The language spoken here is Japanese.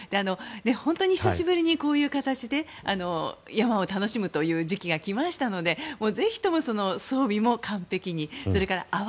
本当に久しぶりにこういう形で山を楽しむという時期が来ましたのでプシューッ！